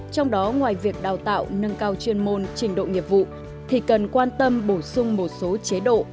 trong đó ngoài việc đào tạo nâng cao chuyên môn trình độ nghiệp vụ thì cần quan tâm bổ sung một số chế độ